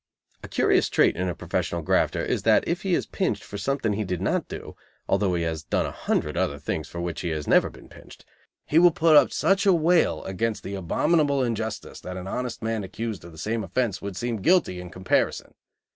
A curious trait in a professional grafter is that, if he is "pinched" for something he did not do, although he has done a hundred other things for which he has never been pinched, he will put up such a wail against the abominable injustice that an honest man accused of the same offense would seem guilty in comparison.